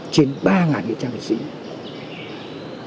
trên ba nghệ trang vệ sinh